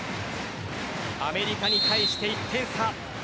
アメリカに対して１点差。